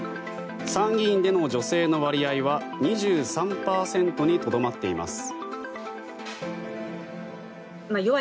参議院での女性の割合は２３％にとどまっています。